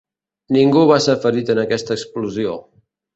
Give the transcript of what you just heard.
Ningú va ser ferit en aquesta explosió.